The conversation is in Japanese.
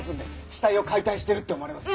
死体を解体してるって思われます。